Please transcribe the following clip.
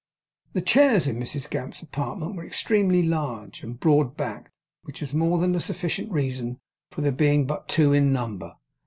The chairs in Mrs Gamp's apartment were extremely large and broad backed, which was more than a sufficient reason for there being but two in number.